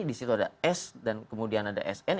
disitu ada s dan kemudian ada sn